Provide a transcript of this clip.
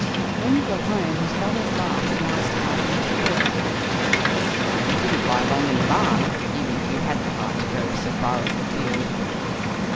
When he got home, his brothers laughed and asked how he had fared? "You didn't lie long in the barn, even if you had the heart to go so far as the field."